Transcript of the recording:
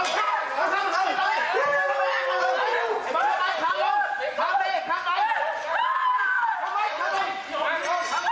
มีอาวุธถ่านลง